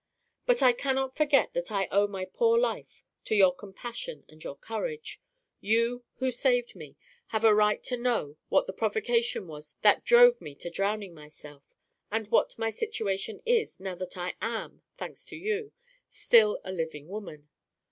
"But I cannot forget that I owe my poor life to your compassion and your courage. You, who saved me, have a right to know what the provocation was that drove me to drowning myself, and what my situation is, now that I am (thanks to you) still a living woman.